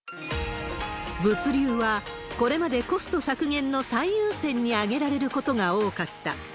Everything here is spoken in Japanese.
物流はこれまでコスト削減の最優先に挙げられることが多かった。